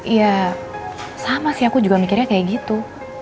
ya sama sih aku juga mikirnya kayak gitu